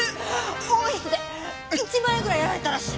多い人で１万円ぐらいやられたらしい。